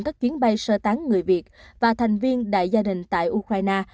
các chuyến bay sơ tán người việt và thành viên đại gia đình tại ukraine